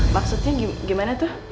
maksudnya gimana tuh